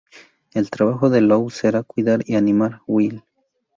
El trabajo de Lou será cuidar y animar a Will.